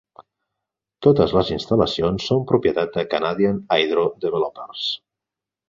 Totes les instal·lacions són propietat de Canadian Hydro Developers.